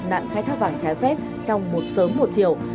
nạn khai thác vàng trái phép trong một sớm một chiều